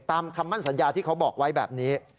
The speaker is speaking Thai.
คำมั่นสัญญาที่เขาบอกไว้แบบนี้